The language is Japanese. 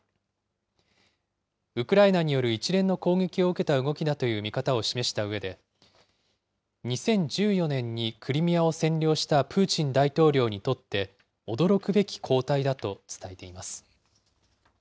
ウクライナによる一連の攻撃を受けた動きだという見方を示したうえで、２０１４年にクリミアを占領したプーチン大統領にとって、驚くべき後退だと伝えています。